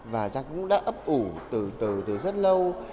và giang cũng đã ấp ủ từ rất lâu